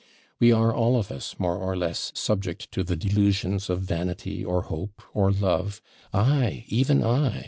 We are all of us, more or less, subject to the delusions of vanity, or hope, or love I even I!